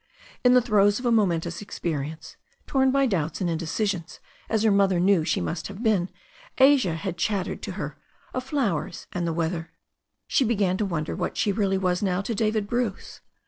In the throes of a momentous experience, torn by doubts and indecisions as her mother knew she must have been, Asia had chattered to her of flowers and the weather. She began to wonder what she really was now to David Bruce.